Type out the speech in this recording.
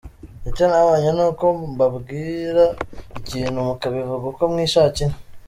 Icyo nabonye ni uko mbabwira ibintu mukabivuga uko mwishakiye.